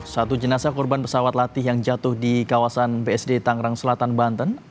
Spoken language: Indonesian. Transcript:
satu jenazah korban pesawat latih yang jatuh di kawasan bsd tangerang selatan banten